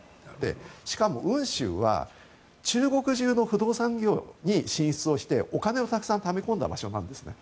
しかも、温州は中国中の不動産業に進出をしてお金をたくさんため込んだ場所なんですね。